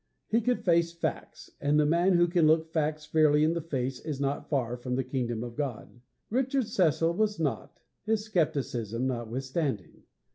He could face facts; and the man who can look facts fairly in the face is not far from the kingdom of God. Richard Cecil was not, his skepticism notwithstanding.